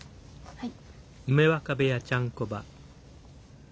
はい。